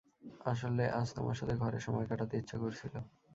আসলে, আজ তোমার সাথে ঘরে সময় কাটাতে ইচ্ছা করছিল।